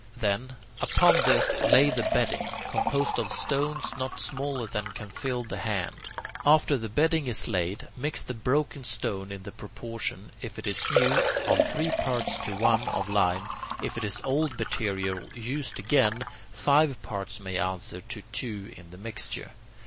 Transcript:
Then, upon this lay the bedding, composed of stones not smaller than can fill the hand. After the bedding is laid, mix the broken stone in the proportions, if it is new, of three parts to one of lime; if it is old material used again, five parts may answer to two in the mixture.